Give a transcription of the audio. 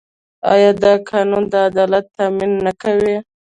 آیا دا قانون د عدالت تامین نه کوي؟